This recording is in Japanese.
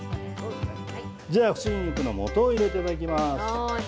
じゃあ、春菊のもとを入れていただきます。